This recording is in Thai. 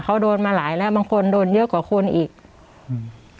เขาโดนมาหลายแล้วบางคนโดนเยอะกว่าคนอีกอืม